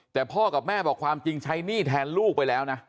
แต่พ่อกับแม่บอกความจริงใช้หนี้แทนลูกไปแล้วนะ